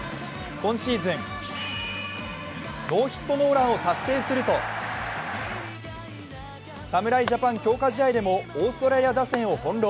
今シーズン、ノーヒットノーランを達成すると、侍ジャパン強化試合でもオーストラリア打線を翻弄。